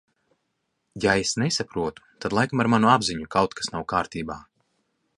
Ja es nesaprotu, tad laikam ar manu apziņu kaut kas nav kārtībā.